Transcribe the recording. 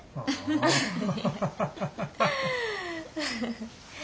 アハハハハ。